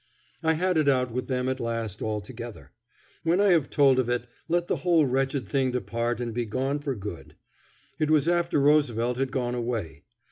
I had it out with them at last all together. When I have told of it let the whole wretched thing depart and be gone for good. It was after Roosevelt had gone away.